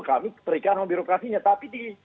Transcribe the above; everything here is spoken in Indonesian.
kami terikat sama birokrasinya tapi di